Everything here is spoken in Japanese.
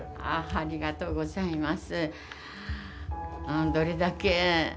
ありがとうございます。